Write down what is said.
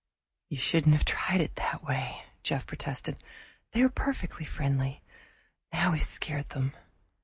"You shouldn't have tried that way," Jeff protested. "They were perfectly friendly; now we've scared them."